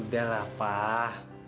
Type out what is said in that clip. udah lah pak